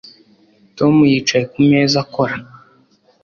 Tom yicaye ku meza akora